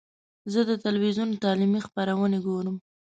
زه د ټلویزیون تعلیمي خپرونې ګورم.